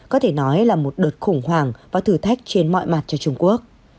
có thể nói là một đợt khủng hoảng và thử thách trên mọi mặt cho trung quốc